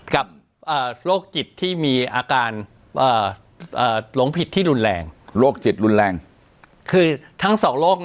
กับโรคจิตที่มีอาการหลงผิดที่รุนแรง